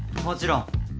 もちろん。